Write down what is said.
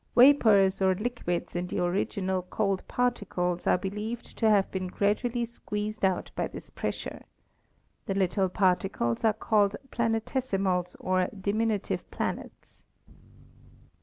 Vapors or liquids in the original cold particles are believed to have been gradually squeezed out by this pressure. The little particles are called planetesimals or diminutive planets.